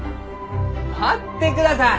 待ってください！